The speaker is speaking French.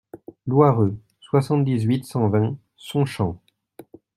Louareux, soixante-dix-huit, cent vingt Sonchamp